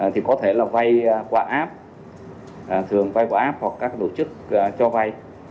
thì có thể là vay quả áp thường vay quả áp hoặc các tổ chức cho vay